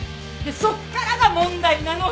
そっからが問題なのよ！